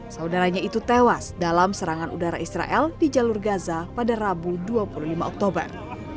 saudaranya itu tewas dalam serangan udara israel di jalur gaza pada rabu dua puluh lima oktober